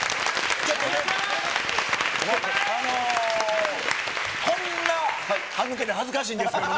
ちょっとね、こんな歯抜けで恥ずかしいんですけども。